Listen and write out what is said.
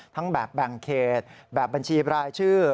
แบบแบ่งเขตแบบบัญชีรายชื่อ